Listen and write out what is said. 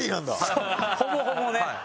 ほぼほぼね。